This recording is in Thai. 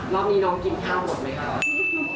รอบนี้น้องกินข้าวหมดไหมคะ